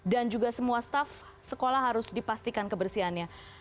dan juga semua staf sekolah harus dipastikan kebersihannya